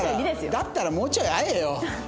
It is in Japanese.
だったらもうちょい会えよ。